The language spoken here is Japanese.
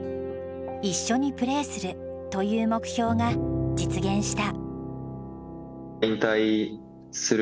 一緒にプレーするという目標が実現した。